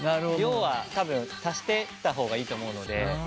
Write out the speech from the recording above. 量は多分足してった方がいいと思うので。